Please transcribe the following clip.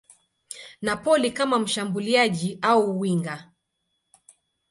Napoli kama mshambuliaji au winga.